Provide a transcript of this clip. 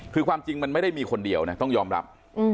คือความจริงมันไม่ได้มีคนเดียวนะต้องยอมรับ